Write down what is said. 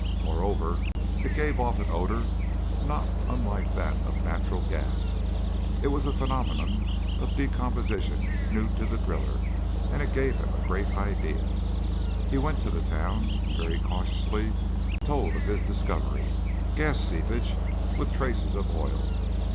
Moreover, it gave off an odor not unlike that of natural gas. It was a phenomenon of decomposition new to the driller, and it gave him a great idea. He went to town and very cautiously told of his discovery a gas seepage, with traces of oil.